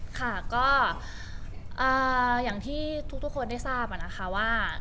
ค่ะก็อย่างที่ทุกคนได้ทราบนะคะว่า